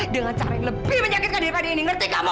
dengan cara yang lebih menyakitkan daripada ini ngerti keamanan